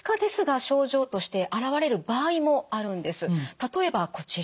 例えばこちら。